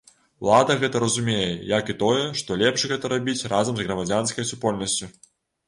Улада гэта разумее, як і тое, што лепш гэта рабіць разам з грамадзянскай супольнасцю.